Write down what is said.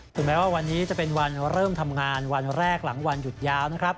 ถึงแม้ว่าวันนี้จะเป็นวันเริ่มทำงานวันแรกหลังวันหยุดยาวนะครับ